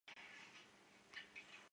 十万大山瓜馥木